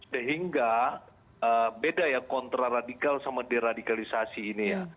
sehingga beda ya kontraradikal sama deradikalisasi ini ya